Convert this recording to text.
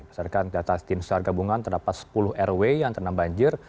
masa dekat data tim sargabungan terdapat sepuluh rw yang ternam banjir